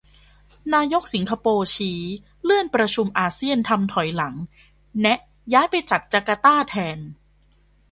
นายกสิงคโปร์ชี้เลื่อนประชุมอาเซียนทำถอยหลัง แนะย้ายไปจัดจาร์การ์ตาแทน